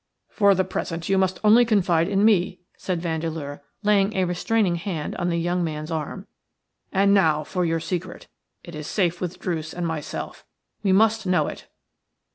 "For the present you must only confide in me," said Vandeleur, laying a restraining hand on the young man's arm. "And now for your secret – it is safe with Druce and my self; we must know it."